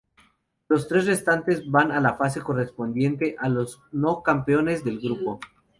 Los tres restantes van a la fase correspondiente a los no campeones de grupo.